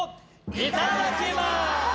いただきます！